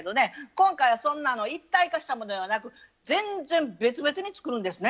今回はそんな一体化したものではなく全然別々に作るんですね。